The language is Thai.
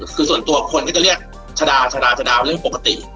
คือส่วนตัวคนก็จะเรียกชะดาชาดาชะดาเรื่องปกติ